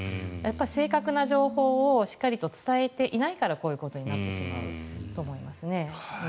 正確な情報をしっかりと伝えていないからこういうことになってしまうと思いますね。